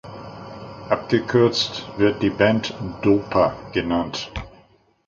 Abgekürzt wird die Band „Dopa“ genannt.